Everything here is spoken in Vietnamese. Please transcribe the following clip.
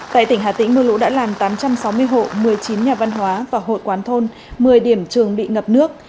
tại tỉnh hà tĩnh mưa lũ đã làm tám trăm sáu mươi hộ một mươi chín nhà văn hóa và hội quán thôn một mươi điểm trường bị ngập nước